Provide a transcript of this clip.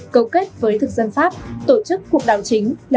cấu kết với thực dân pháp tổ chức cuộc đảo chính là